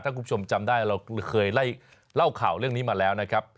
ถ้าคุณผู้ชมจำได้เราเคยไล่เล่าข่าวเรื่องนี้มาแล้วนะครับ